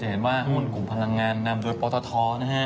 เห็นว่าหุ้นกลุ่มพลังงานนำโดยปตทนะฮะ